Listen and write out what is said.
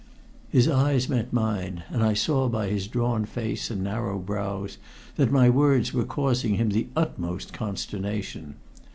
His eyes met mine, and I saw by his drawn face and narrow brows that my words were causing him the utmost consternation.